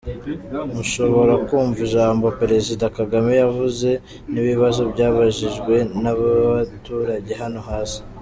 Mushobora kumva ijambo Perezida Kagame yavuze n’ibibazo byabajijwe n’abaturage hano hasi: